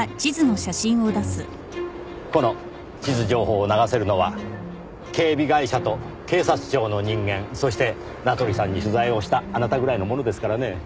この地図情報を流せるのは警備会社と警察庁の人間そして名取さんに取材をしたあなたぐらいなものですからねぇ。